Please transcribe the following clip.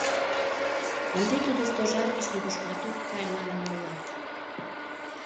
Ынде тудо Стожар гыч нигушкат ок кай, манын ойлат.